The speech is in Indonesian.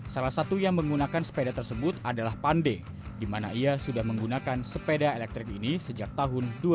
salah satu yang menggunakan sepeda tersebut adalah pande di mana ia sudah menggunakan sepeda elektrik ini sejak tahun dua ribu